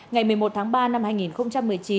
ngày một mươi một tháng ba năm hai nghìn một mươi chín